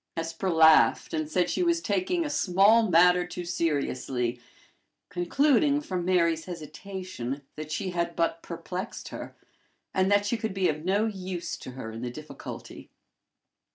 Hesper laughed, and said she was taking a small matter too seriously concluding from Mary's hesitation that she had but perplexed her, and that she could be of no use to her in the difficulty.